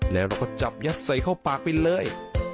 แล้วเราก็จับยัดใส่เข้าปากไปเลย